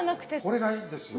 これがいいんですよ